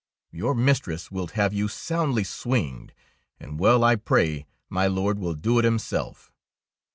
"Your mistress wilt have you soundly swinged, and well I pray my Lord will do it himself.